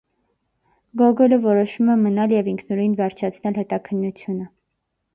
Գոգոլը որոշում է մնալ և ինքնուրույն վերջացնել հետաքննությունը։